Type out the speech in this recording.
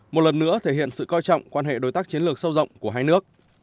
một lần nữa thể hiện sự coi trọng quan hệ đối tác chiến lược sâu rộng của hai nước